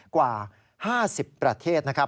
กว่า๕๐ประเทศนะครับ